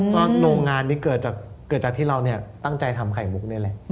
ก็โรงงานนี้เกิดจากที่เราตั้งใจทำไข่มุกนี่แหละ